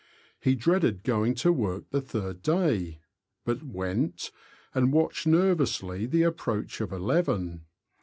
He dreaded going to work the third day, but went, and watched nervously the approach of eleven.